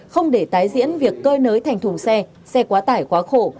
không để tái diễn việc cơi nới thành thùng xe xe quá tải quá khổ